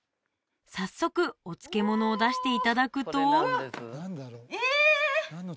早速お漬物を出していただくとええっ！？